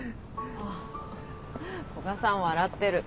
あっ古賀さん笑ってる。